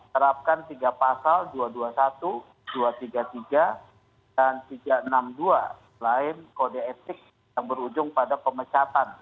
terapkan tiga pasal dua ratus dua puluh satu dua ratus tiga puluh tiga dan tiga ratus enam puluh dua lain kode etik yang berujung pada pemecatan